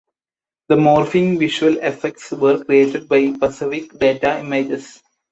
The morphing visual effects were created by Pacific Data Images.